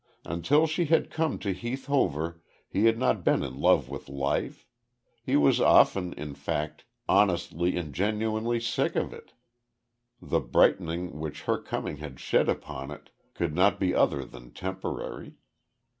Until she had come to Heath Hover he had not been in love with life. He was often, in fact, honestly and genuinely sick of it. The brightening which her coming had shed upon it could not be other than temporary.